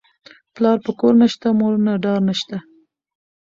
ـ پلار په کور نشته، مور نه ډار نشته.